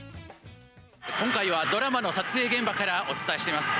今回はドラマの撮影現場からお伝えしています。